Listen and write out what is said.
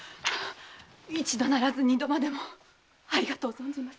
⁉一度ならず二度までもありがとう存じます。